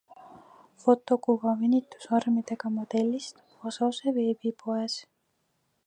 Fotokuva venitusarmidega modellist Asose veebipoes.